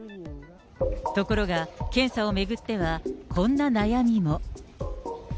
ところが、検査を巡っては、こんな悩みも。